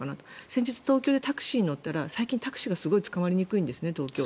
先日、東京でタクシーに乗ったら最近、タクシーがすごいつかまりにくいんですね。